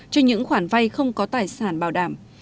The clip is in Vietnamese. cho những khoản vay không có tài sản bảo đảm